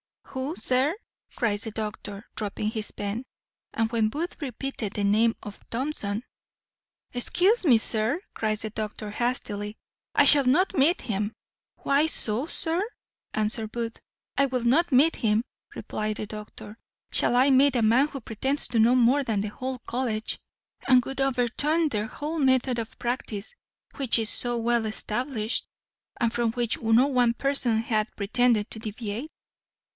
"Who, sir?" cries the doctor, dropping his pen; and when Booth repeated the name of Thompson, "Excuse me, sir," cries the doctor hastily, "I shall not meet him." "Why so, sir?" answered Booth. "I will not meet him," replied the doctor. "Shall I meet a man who pretends to know more than the whole College, and would overturn the whole method of practice, which is so well established, and from which no one person hath pretended to deviate?"